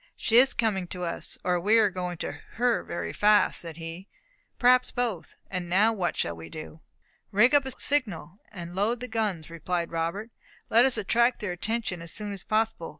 "She is coming to us, or we are going to her very fast," said he. "Perhaps both; and now what shall we do?" "Rig up a signal, and load the guns," replied Robert. "Let us attract their attention as soon as possible.